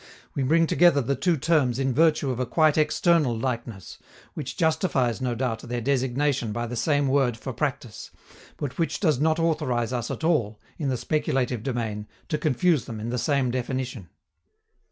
We bring together the two terms in virtue of a quite external likeness, which justifies no doubt their designation by the same word for practice, but which does not authorize us at all, in the speculative domain, to confuse them in the same definition.